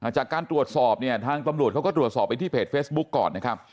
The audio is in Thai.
จากการตรวจสอบเนี่ยทางตำรวจเขาก็ตรวจสอบไปที่เพจเฟซบุ๊กก่อนนะครับ